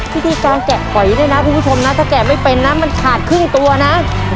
วิธีการแกะฝอยด้วยนะคุณผู้ชมนะถ้าแกะไม่เป็นนะมันขาดครึ่งตัวนะ